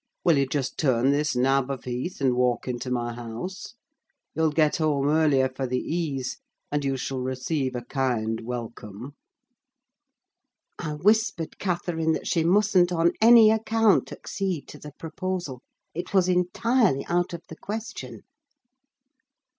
Will you just turn this nab of heath, and walk into my house? You'll get home earlier for the ease; and you shall receive a kind welcome." I whispered Catherine that she mustn't, on any account, accede to the proposal: it was entirely out of the question.